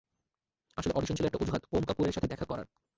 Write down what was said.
আসলে অডিশন ছিল একটা অজুহাত, ওম কাপুর এর সাথে দেখা করার।